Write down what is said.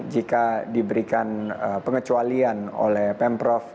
jika diberikan pengecualian oleh pemprov